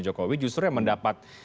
jokowi justru yang mendapat